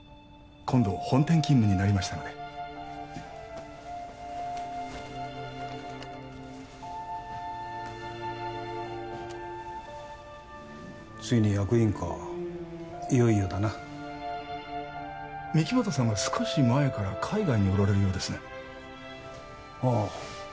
今度本店勤務になりましたのでついに役員かいよいよだな御木本さんが少し前から海外におられるようですねああ